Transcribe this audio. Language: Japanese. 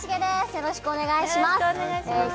よろしくお願いします！